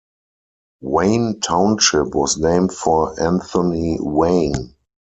Wayne Township was named for Anthony Wayne.